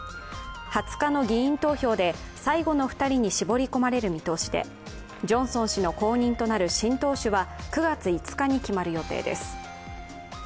２０日の議員投票で最後の２人に絞り込まれる見通しで、ジョンソン氏の後任となる新党首は９月５日に決まる予定です。